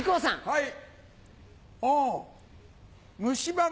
はい。